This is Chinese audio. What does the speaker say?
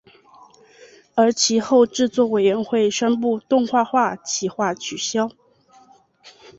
而其后制作委员会宣布动画化企划取消。